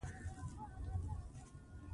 ننګرهار د افغانستان د صنعت لپاره مواد برابروي.